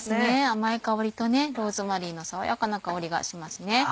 甘い香りとローズマリーの爽やかな香りがしますね。